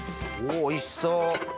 おいしそう！